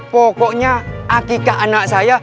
pokoknya akikah anak saya